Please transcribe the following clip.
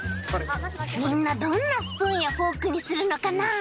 みんなどんなスプーンやフォークにするのかな？